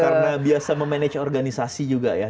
karena biasa memanage organisasi juga ya